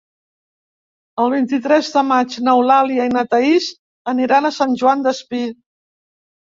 El vint-i-tres de maig n'Eulàlia i na Thaís aniran a Sant Joan Despí.